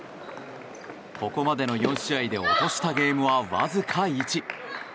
ここまでの４試合で落としたゲームはわずか１。